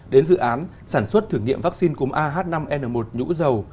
đến dự án sản xuất thử nghiệm vaccine cúm ah năm n một nhũ dầu